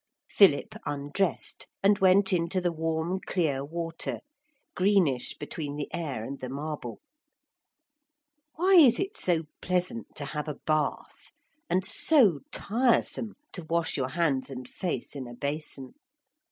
Philip undressed and went into the warm clear water, greenish between the air and the marble. Why is it so pleasant to have a bath, and so tiresome to wash your hands and face in a basin?